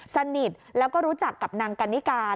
สนิทแล้วก็รู้จักกับนางกันนิกา